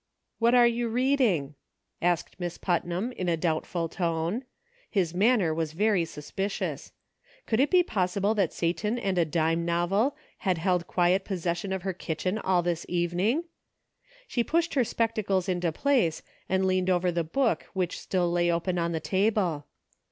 "What are you reading .'" asked Miss Putnam in doubtful tone ; his manner was very suspicious • could it be possible that Satan and a dime novel had held quiet possession of her kitchen all thi? evening ! She pushed her spectacles into place and leaned over the book which still lay open on the table.